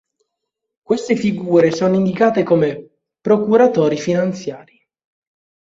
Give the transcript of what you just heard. Queste figure sono indicate come procuratori finanziari.